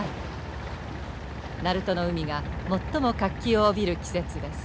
鳴門の海が最も活気を帯びる季節です。